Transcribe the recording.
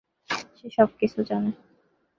সে সবকিছু জানে।